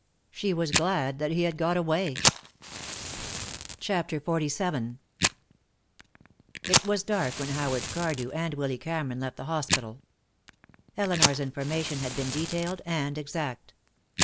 She was glad that he had got away. CHAPTER XLVII It was dark when Howard Cardew and Willy Cameron left the hospital. Elinor's information had been detailed and exact.